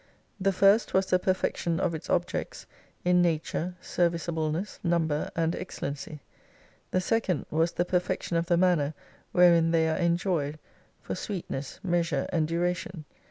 The first was the perfection of its objects, in nature, service ableness, number, and excellency. The second was the perfection of the manner wherein they are enjoyed, for sweetness, measure, and duration.